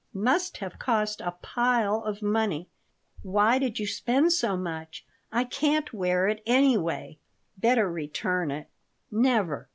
Must have cost a pile of money! Why did you spend so much? I can't wear it, anyway. Better return it." "Never!